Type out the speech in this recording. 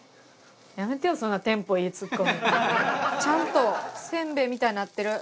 ちゃんとせんべいみたいになってる。